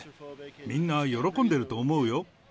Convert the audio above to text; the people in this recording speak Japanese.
みんな喜んでると思うよ。